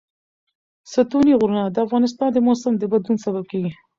ستوني غرونه د افغانستان د موسم د بدلون سبب کېږي.